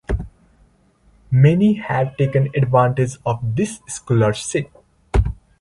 Many have taken advantage of this scholarship.